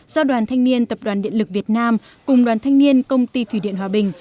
do đoàn thanh niên tập đoàn điện lực việt nam cùng đoàn thanh niên công ty thủy điện hòa bình